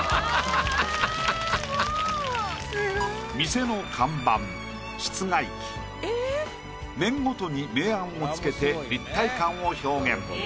店の看板室外機面ごとに明暗を付けて立体感を表現。